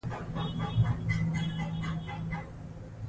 د استقلال بیرغ به تل رپاند وي.